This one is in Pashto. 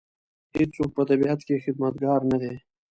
هېڅوک په طبیعت کې خدمتګار نه دی.